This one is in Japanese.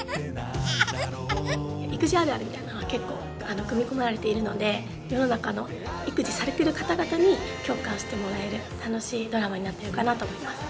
育児あるあるみたいなのが結構組み込まれているので世の中の育児されてる方々に共感してもらえる楽しいドラマになってるかなと思います。